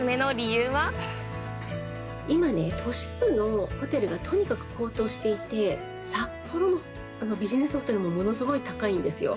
今ね、都市部のホテルがとにかく高騰していて、札幌のビジネスホテルもものすごい高いんですよ。